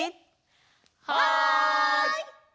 はい！